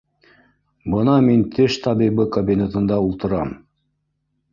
Бына мин теш табибы кабинетында ултырам.